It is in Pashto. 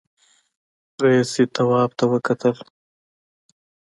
رئيسې تواب ته وکتل.